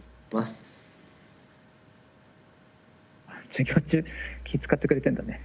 授業中気ぃ遣ってくれてるんだね。